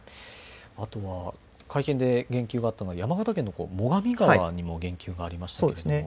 あとは会見で言及があったのが山形県の最上川にも言及がありました。